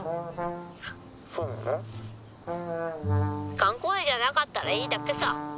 がんこおやじじゃなかったらいいだけさ。